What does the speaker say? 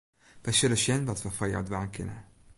Wy sille sjen wat we foar jo dwaan kinne.